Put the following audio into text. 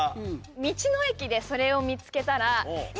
道の駅でそれを見つけたら。